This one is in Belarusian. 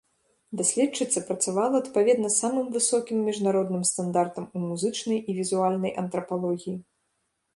Даследчыца працавала адпаведна самым высокім міжнароднымі стандартам у музычнай і візуальнай антрапалогіі.